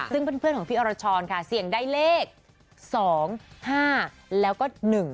ซึ่งเพื่อนของพี่อรชรค่ะเสี่ยงได้เลข๒๕แล้วก็๑๕